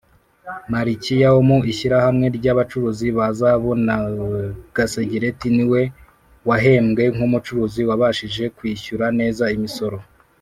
Malikiya wo mu ishyirahamwe ry’ abacuruzi ba zahabu na gasegereti niwe wahembwe nk’umucuruzi wabashije kwishyura neza imisoro.